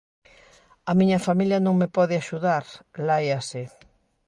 "A miña familia non me pode axudar", láiase.